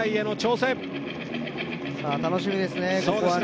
楽しみですね、ここは。